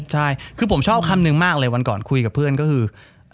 ใช่คือผมชอบคำนึงมากเลยวันก่อนคุยกับเพื่อนก็คือ